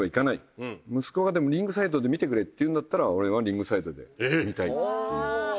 息子がリングサイドで見てくれって言うんだったら俺はリングサイドで見たいっていう。